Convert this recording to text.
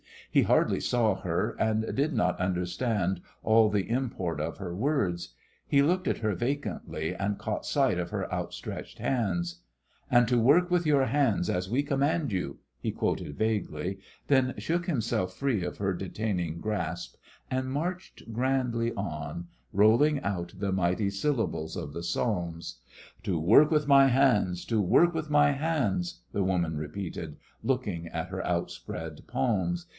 He hardly saw her, and did not understand all the import of her words. He looked at her vacantly, and caught sight of her outstretched hands. "'And to work with your hands as we command you,'" he quoted vaguely, then shook himself free of her detaining grasp and marched grandly on, rolling out the mighty syllables of the psalms. "To work with my hands; to work with my hands," the woman repeated looking at her outspread palms.